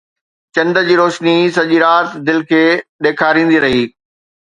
چنڊ جي روشني سڄي رات دل کي ڏيکاريندي رهي